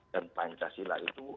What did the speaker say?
dan pancasila itu